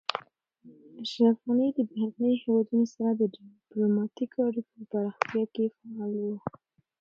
اشرف غني د بهرنیو هیوادونو سره د ډیپلوماتیکو اړیکو په پراختیا کې فعال و.